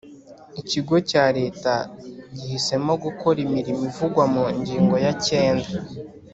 Ikigo cya Leta gihisemo gukora imirimo ivugwa mu ngingo ya cyenda